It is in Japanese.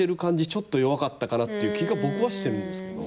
ちょっと弱かったかなっていう気が僕はしてるんですけど。